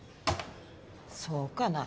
そうかな？